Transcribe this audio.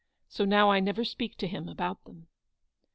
So now I never speak to him about them."